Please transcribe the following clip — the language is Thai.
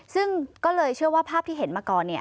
ซึ่งก็เลยเชื่อว่าภาพที่เห็นมาก่อน